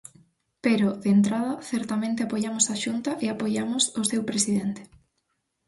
Pero, de entrada, certamente, apoiamos a Xunta e apoiamos o seu presidente.